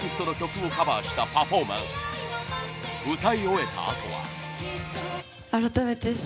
歌い終えたあとは。